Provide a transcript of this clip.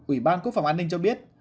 ủy ban quốc phòng an ninh cho biết